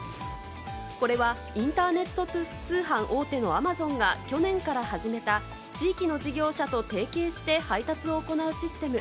これはインターネット通販大手のＡｍａｚｏｎが去年から始めた地域の事業者と提携して配達を行うシステム。